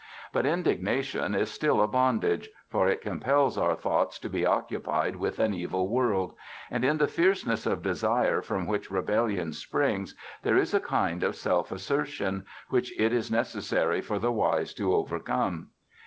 But indignation is still a bondage, for it compels our thoughts to be occupied with an evil world; and in the fierceness of desire from which rebellion springs there is a kind of self assertion which it is necessary for the wise to overcome.